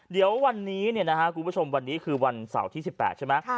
เดี๋ยววันนี้คุณผู้ชมวันนี้คือวันเสาร์ที่๑๘ใช่ไหม